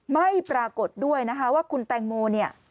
ไม่ปรากฏด้วยนะคะว่าคุณแตงโมเนี่ย